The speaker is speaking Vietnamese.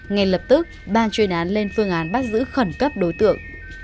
ngay lập tức ban chuyên án lên phương án bắt giữ khẩn cấp đối tượng